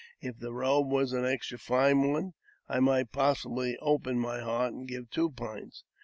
If the robe was an extra fine one, I might possibly open my heart, " and give two pints.